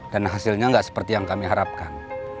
dan hasilnya gak seperti yang kami harapkan